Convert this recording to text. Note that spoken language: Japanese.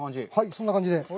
そんな感じで。